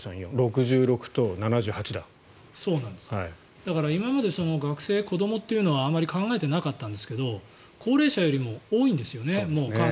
だから今まで学生、子どもというのはあまり考えてなかったんですが高齢者よりも感染者が多いんですね。